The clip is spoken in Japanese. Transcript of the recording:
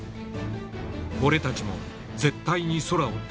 俺たちも絶対に空を飛ぶぞ！